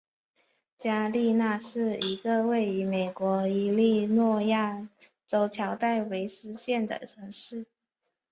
加利纳是一个位于美国伊利诺伊州乔戴维斯县的城市。